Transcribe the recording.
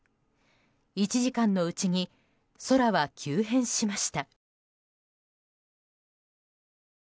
１時間のうちに空は急変しました。